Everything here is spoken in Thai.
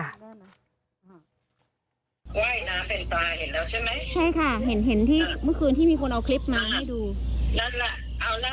แล้วเราบอกคุณแม่ว่าหนูว่ายน้ำไม่เป็น